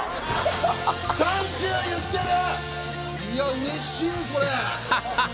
いやうれしいこれ。